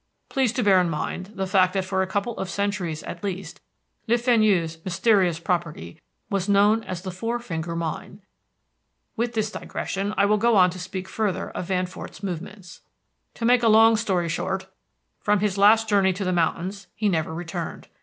Please to bear in mind the fact that for a couple of centuries at least Le Fenu's mysterious property was known as the Four Finger Mine. With this digression, I will go on to speak further of Van Fort's movements. To make a long story short, from his last journey to the mountains he never returned.